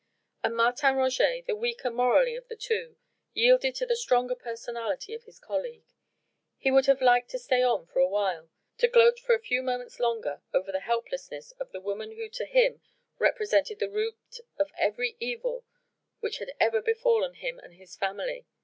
And Martin Roget, the weaker morally of the two, yielded to the stronger personality of his colleague. He would have liked to stay on for awhile, to gloat for a few moments longer over the helplessness of the woman who to him represented the root of every evil which had ever befallen him and his family.